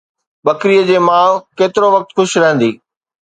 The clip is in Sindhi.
ٻڪريءَ جي ماءُ ڪيترو وقت خوش رهندي؟